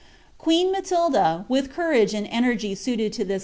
^ Queen Matilda, with courage and energy suited to this * Hoveden.